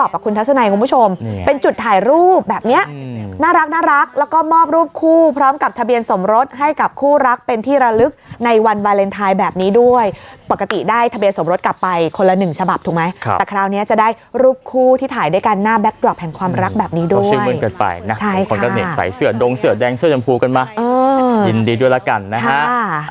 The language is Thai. ปกติได้ทะเบียนสมรสกลับไปคนละ๑ฉบับถูกไหมครับแต่คราวนี้จะได้รูปคู่ที่ถ่ายด้วยกันหน้าแบ็คดรอปแห่งความรักแบบนี้ด้วยใช่ค่ะใส่เสื้อดงเสื้อแดงเสื้อจำพูกันมาอืมยินดีด้วยละกันนะฮะอ่า